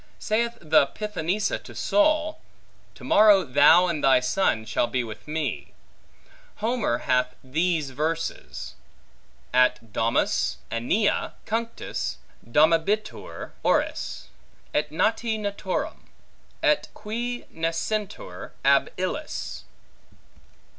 Saith the Pythonissa to Saul, To morrow thou and thy son shall be with me. Homer hath these verses: At domus AEneae cunctis dominabitur oris, Et nati natorum, et qui nascentur ab illis.